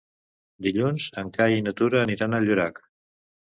Dilluns en Cai i na Tura aniran a Llorac.